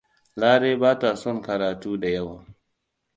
Lare ba ta son karatu da yawa.